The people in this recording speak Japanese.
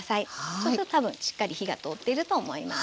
そうすると多分しっかり火が通っていると思います。